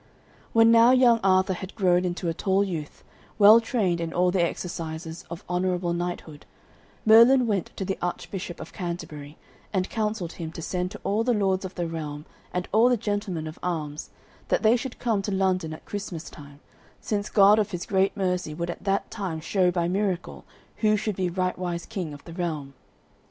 When now young Arthur had grown into a tall youth, well trained in all the exercises of honourable knighthood, Merlin went to the Archbishop of Canterbury and counselled him to send to all the lords of the realm and all the gentlemen of arms, that they should come to London at Christmas time, since God of His great mercy would at that time show by miracle who should be rightwise king of the realm.